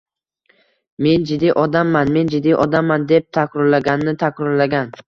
«Men jiddiy odamman! Men jiddiy odamman!», deb takrorlagani-takrorlagan.